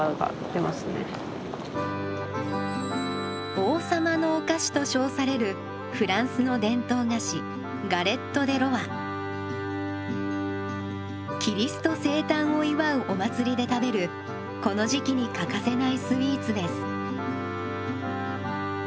「王様のお菓子」と称されるフランスの伝統菓子キリスト生誕を祝うお祭りで食べるこの時期に欠かせないスイーツです。